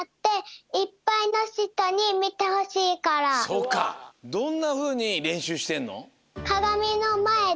そうかどんなふうにれんしゅうしてんの？